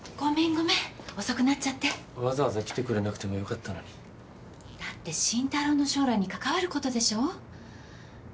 ごめん遅くなっちゃってわざわざ来てくれなくてもよかったのにだって慎太郎の将来に関わることでしょ？